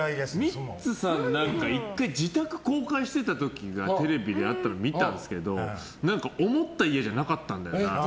ミッツさん１回、自宅公開してた時がテレビであったの見たんですけど思った家じゃなかったんだよな。